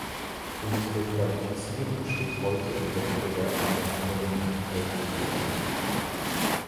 Unsere Qualifizierung steht heute im Wettbewerb mit anderen Weltregionen.